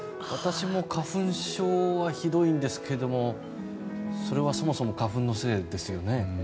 私も花粉症はひどいんですけどそれは、そもそも花粉のせいですよね。